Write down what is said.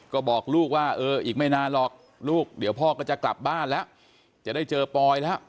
ก็บอกลูกว่าเอออีกไม่นานหรอกลูกเดี๋ยวพ่อก็จะกลับบ้านแล้วจะได้เจอปอยแล้ว